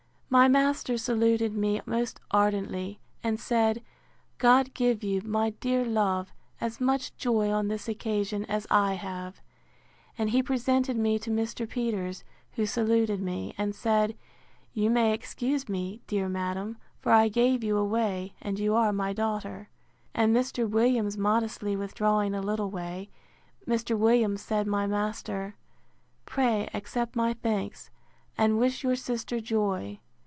My master saluted me most ardently, and said, God give you, my dear love, as much joy on this occasion, as I have! And he presented me to Mr. Peters, who saluted me; and said, You may excuse me, dear madam, for I gave you away, and you are my daughter. And Mr. Williams modestly withdrawing a little way; Mr. Williams, said my master, pray accept my thanks, and wish your sister joy.